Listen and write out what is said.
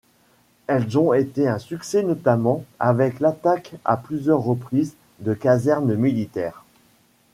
Elles ont été un succès notamment avec l'attaque à plusieurs reprises de casernes militaires.